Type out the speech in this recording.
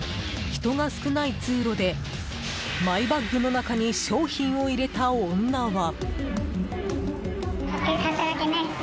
人が少ない通路でマイバッグの中に商品を入れた女は。